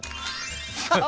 ハハハハ！